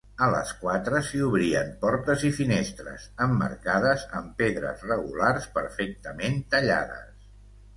A les quatre s'hi obrien portes i finestres, emmarcades amb pedres regulars perfectament tallades.